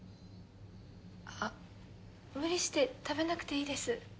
あっ無理して食べなくていいです。